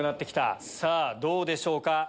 さぁどうでしょうか？